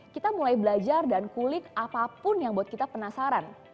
kita mulai belajar dan kulik apapun yang buat kita penasaran